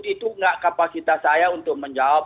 itu enggak kapasitas saya untuk menjawab